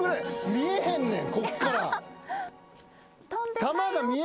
見えへんねん。